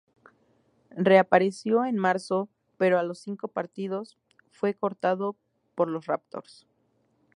Reapareció en marzo pero a los cinco partidos fue cortado por los Raptors.